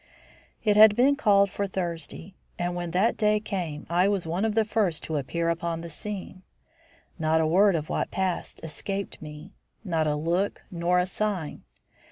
It had been called for Thursday, and when that day came I was one of the first to appear upon the scene. Not a word of what passed escaped me; not a look nor a sign.